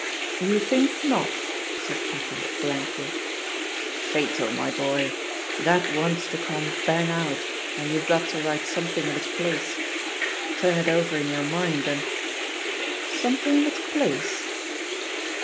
"You think not?" said Tatham blankly. "Fatal, my boyl That wants to come bang out, and you've got to write something in its place. Turn it over in your mind, and ^^ "Something in its place?"